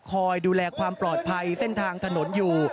คอยดูแลความปลอดภัยเส้นทางถนนอยู่